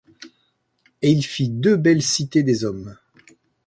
Et il fit deux belles cités des hommes.